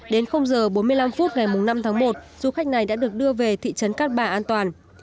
đến h bốn mươi năm phút ngày năm tháng một du khách này đã được đưa về thị trấn cát bà an toàn